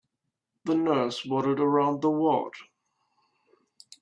The nurse waddled around the ward.